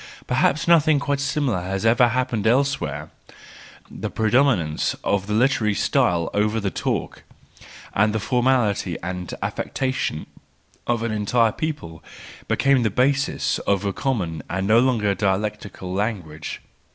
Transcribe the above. Perhaps nothing quite similar has ever happened elsewhere;—the predominance of the literary style over the talk, and the formality and affectation of an entire people, becoming the basis of a common and no longer dialectical language.